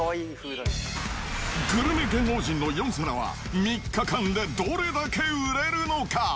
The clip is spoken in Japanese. グルメ芸能人の４皿は、３日間でどれだけ売れるのか。